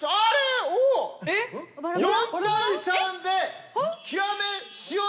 ４対３で。